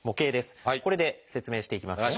これで説明していきます。